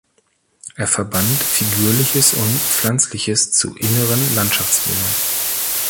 Er verband Figürliches und Pflanzliches zu "Inneren Landschaftsbildern".